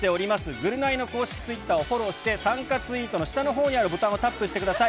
ぐるナイの公式ツイッターをフォローして、参加ツイートの下のほうにあるボタンをタップしてください。